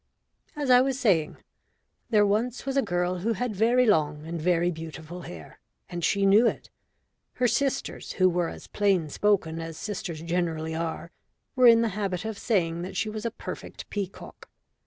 _) As I was saying there once was a girl who had very long and very beautiful hair, and she knew it. Her sisters, who were as plain spoken as sisters generally are, were in the habit of saying that she was a perfect peacock.